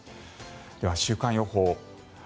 では、週間予報。